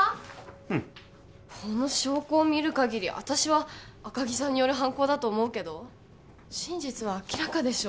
うんこの証拠を見るかぎり私は赤木さんによる犯行だと思うけど真実は明らかでしょ？